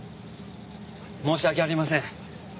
申し訳ありません。